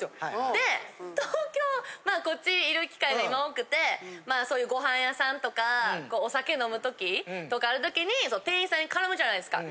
で、東京は、こっちいる機会が今多くて、そういうごはん屋さんとか、お酒飲むときとかあるときに、店員さんに絡むじゃないですか。